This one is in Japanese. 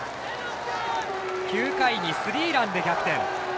９回にスリーランで逆転。